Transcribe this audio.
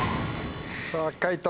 さぁ解答